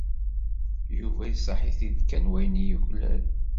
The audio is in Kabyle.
Yuba iṣaḥ-it-id kan wayen i yuklal.